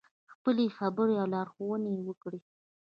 خپلې خبرې او لارښوونې یې وکړې.